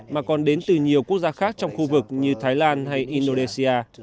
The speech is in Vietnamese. mà còn đến từ nhiều quốc gia khác trong khu vực như thái lan hay indonesia